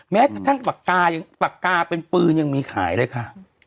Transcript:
แม้กระทั่งปากกาเป็นปืนยังมีขายเลยค่ะ